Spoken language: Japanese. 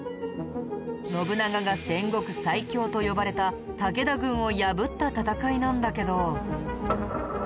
信長が戦国最強と呼ばれた武田軍を破った戦いなんだけど。